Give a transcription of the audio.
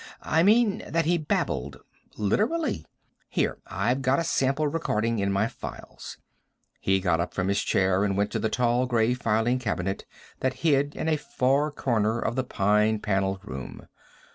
I mean that he babbled. Literally. Here: I've got a sample recording in my files." He got up from his chair and went to the tall gray filing cabinet that hid in a far corner of the pine paneled room.